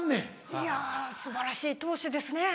いや素晴らしい闘志ですねぇ。